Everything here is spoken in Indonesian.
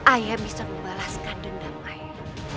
ayah bisa membalaskan dendam air